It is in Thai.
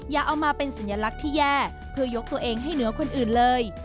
อย่าเอามาเป็นสัญลักษณ์ที่แย่เพื่อยกตัวเองให้เหนือคนอื่นเลย